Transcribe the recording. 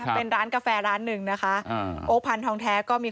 ครับเป็นร้านกาแฟร้านหนึ่งนะคะอืมโอภันธ์ทองแท้ก็มี